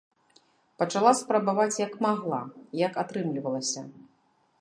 Пачала спрабаваць, як магла, як атрымлівалася.